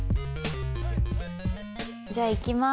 じゃあいきます。